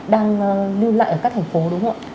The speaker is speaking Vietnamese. đang lưu lại ở các thành phố đúng không ạ